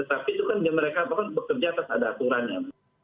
tapi itu kan mereka bekerja atas ada aturannya